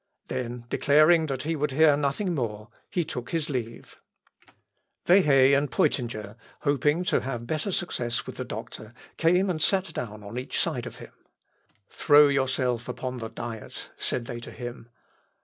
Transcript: Then declaring that he would hear nothing more, he took his leave. Wehe and Peutinger, hoping to have better success with the doctor, came and sat down on each side of him. "Throw yourself upon the Diet," said they to him.